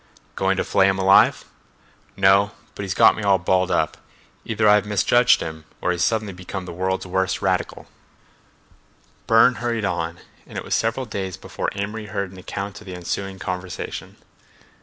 "Going to flay him alive?" "No—but he's got me all balled up. Either I've misjudged him or he's suddenly become the world's worst radical." Burne hurried on, and it was several days before Amory heard an account of the ensuing conversation.